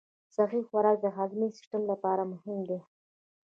صحي خوراک د هاضمي سیستم لپاره مهم دی.